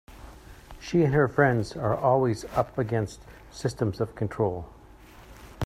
She and her friends are always up against systems of control.